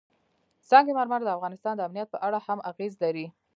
سنگ مرمر د افغانستان د امنیت په اړه هم اغېز لري.